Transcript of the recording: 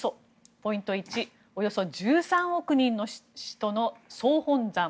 ポイント１およそ１３億人の信徒の総本山